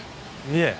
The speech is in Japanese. いえ。